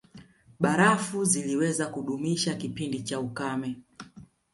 Barafu ziliweza kudumisha kipindi cha ukame